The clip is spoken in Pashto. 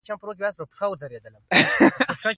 مچمچۍ له ګرده نه شات جوړوي